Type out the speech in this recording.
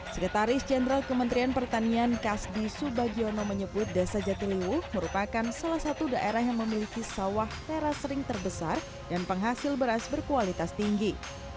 sekretaris jenderal kementerian pertanian kasdi subagiono menyebut desa jatiluwu merupakan salah satu daerah yang memiliki sawah teras ring terbesar dan penghasil beras berkualitas tinggi